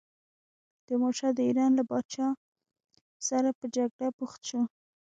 تیمورشاه د ایران له پاچا سره په جګړه بوخت شو.